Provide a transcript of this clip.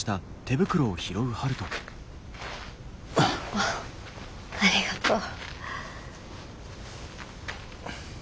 あありがとう。